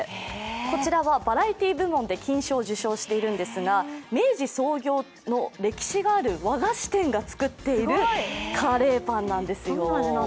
こちらはバラエティ部門で金賞受賞をしているんですが明治創業の歴史がある和菓子店が作っているカレーパンなんですよ。